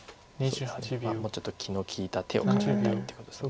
まあもうちょっと気の利いた手を考えたいってことです。